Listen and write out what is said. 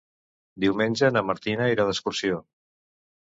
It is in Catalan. Diumenge na Martina irà d'excursió.